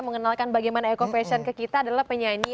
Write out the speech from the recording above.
mengenalkan bagaimana eco fashion ke kita adalah penyanyi